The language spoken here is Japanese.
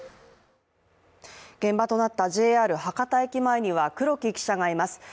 現場となったＪＲ博多駅前には黒木記者がいます。